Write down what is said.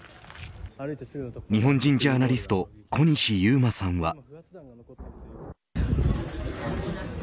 日本人ジャーナリスト小西遊馬さんは。